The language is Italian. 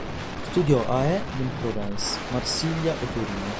Studiò a Aix-en-Provence, Marsiglia e Torino.